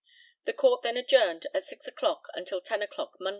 The Court then adjourned at 6 o'clock until 10 o'clock Monday.